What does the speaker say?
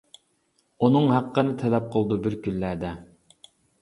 ئۇنىڭ ھەققىنى تەلەپ قىلىدۇ بىر كۈنلەردە.